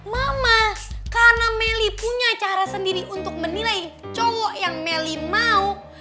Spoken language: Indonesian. mama karena melly punya cara sendiri untuk menilai cowok yang melly mau